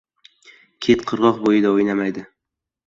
• Kit qirg‘oq bo‘yida o‘ynamaydi.